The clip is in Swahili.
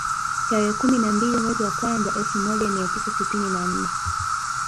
Tarehe kumi na mbili mwezi wa kwanza elfu moja mia tisa sitini na nne